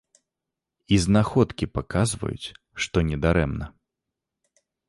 І знаходкі паказваюць, што недарэмна.